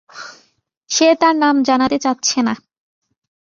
সে তার নাম জানাতে চাচ্ছে না।